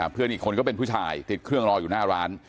เพื่อนอีกคนก็เป็นผู้ชายติดเครื่องรออยู่หน้าร้าน